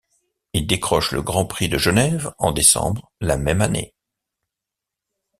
Il décroche le Grand Prix de Genève en décembre, la même année.